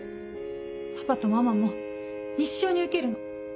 パパとママも一緒に受けるの。